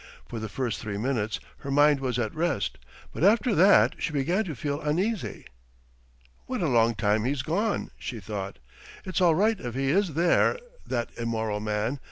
For the first three minutes her mind was at rest, but after that she began to feel uneasy. "What a long time he's gone," she thought. "It's all right if he is there ... that immoral man